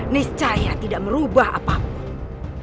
niscaya tidak merubah apapun